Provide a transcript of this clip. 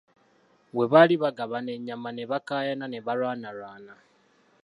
Bwe baali bagabana ennyama ne bakaayana ne balwanalwana.